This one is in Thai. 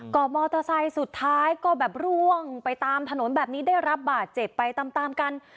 ก็มอเตอร์ไซค์สุดท้ายก็แบบร่วงไปตามถนนแบบนี้ได้รับบาดเจ็บไปตามตามกัน